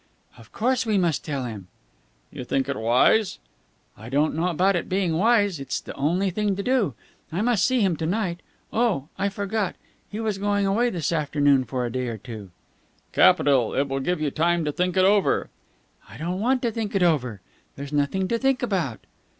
"Of course we must tell him!" "You think it wise?" "I don't know about it being wise. It's the only thing to do. I must see him to night. Oh, I forgot. He was going away this afternoon for a day or two." "Capital! It will give you time to think it over." "I don't want to think it over. There's nothing to think about."